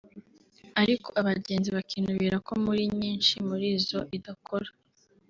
ariko abagenzi bakinubira ko muri nyinshi muri zo idakora